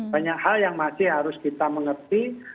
banyak hal yang masih harus kita mengerti